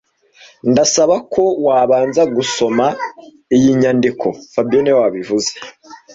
Ndasaba ko wabanza gusoma iyi nyandiko fabien niwe wabivuze